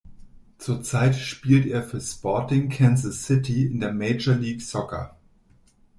Zurzeit spielt er für Sporting Kansas City in der Major League Soccer.